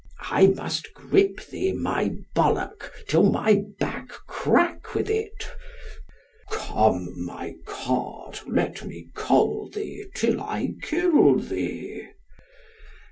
I must grip thee, my ballock, till thy back crack with it. Come, my cod, let me coll thee till I kill thee.